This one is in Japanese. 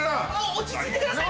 落ち着いてください！